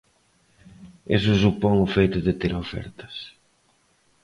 Iso supón o feito de ter ofertas.